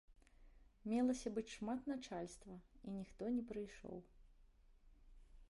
Мелася быць шмат начальства, і ніхто не прыйшоў.